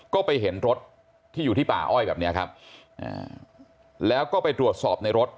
ก็ไปเห็นรถที่อยู่ที่ป่าอ้อยแบบนี้ครับแล้วก็ไปตรวจสอบในรถ